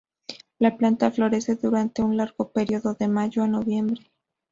La planta florece durante un largo período, de mayo a noviembre.